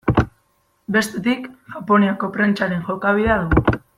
Bestetik, Japoniako prentsaren jokabidea dugu.